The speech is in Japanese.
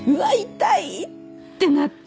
痛いってなって